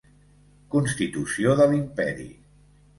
Constitució de l'imperi